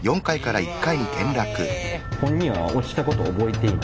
本人は落ちたこと覚えていない。